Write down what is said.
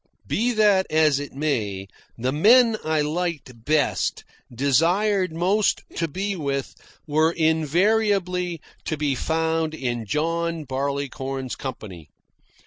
Be that as it may, the men I liked best, desired most to be with, were invariably to be found in John Barleycorn's company.